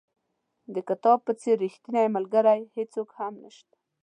د کتاب په څېر ریښتینی ملګری هېڅوک هم نشته.